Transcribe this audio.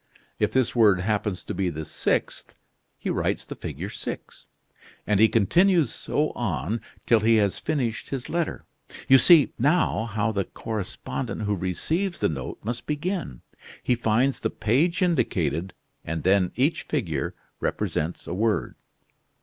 If this word happens to be the sixth, he writes the figure 6, and he continues so on till he has finished his letter. You see, now, how the correspondent who receives the note must begin. He finds the page indicated, and then each figure represents a word."